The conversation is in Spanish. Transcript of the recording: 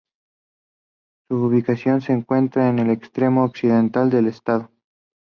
Su ubicación se encuentra en el extremo occidental del Estado.